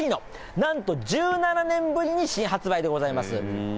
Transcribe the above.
なんと１７年ぶりに新発売でございます。